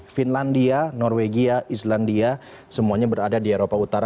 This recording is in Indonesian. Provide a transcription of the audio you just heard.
finlandia norwegia islandia semuanya berada di eropa utara